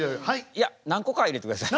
いや何個かは入れてください。